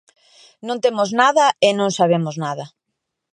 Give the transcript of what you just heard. Non temos nada e non sabemos nada.